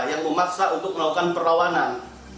yang memaksa untuk melakukan perlawanan